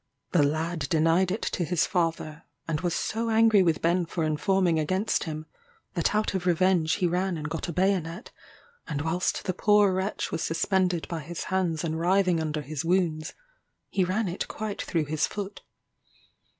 The lad denied it to his father, and was so angry with Ben for informing against him, that out of revenge he ran and got a bayonet, and whilst the poor wretch was suspended by his hands and writhing under his wounds, he run it quite through his foot.